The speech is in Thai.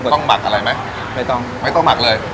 ต้องหมักอะไรไหมไม่ต้องไม่ต้องหมักเลย